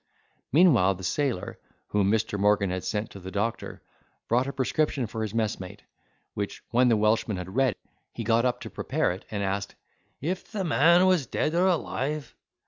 Meanwhile the sailor, whom Mr. Morgan had sent to the doctor, brought a prescription for his messmate, which when the Welshman had read, he got up to prepare it, and asked, "if the man was dead or alive."